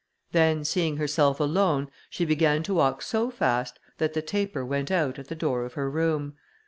Then, seeing herself alone, she began to walk so fast that the taper went out at the door of her room.